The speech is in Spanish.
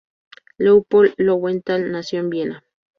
Leupold-Löwenthal nació en Viena.